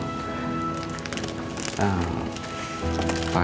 pak hanya lagi tidur ya bu